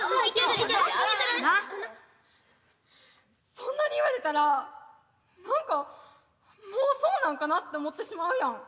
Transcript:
そんなに言われたら何かもうそうなんかなって思ってしまうやん。